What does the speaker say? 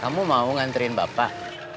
kamu mau ngantirin bapak